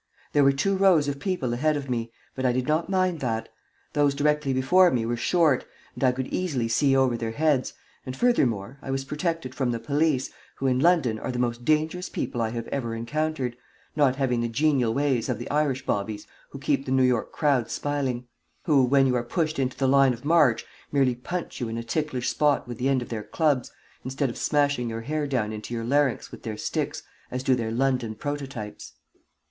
There were two rows of people ahead of me, but I did not mind that. Those directly before me were short, and I could easily see over their heads, and, furthermore, I was protected from the police, who in London are the most dangerous people I have ever encountered, not having the genial ways of the Irish bobbies who keep the New York crowds smiling; who, when you are pushed into the line of march, merely punch you in a ticklish spot with the end of their clubs, instead of smashing your hair down into your larynx with their sticks, as do their London prototypes.